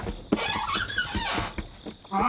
あ！